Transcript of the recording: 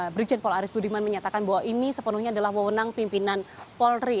brigjen paul aris budiman menyatakan bahwa ini sepenuhnya adalah mewenang pimpinan polri